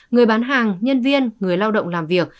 người bán hàng nhân viên người lao động làm việc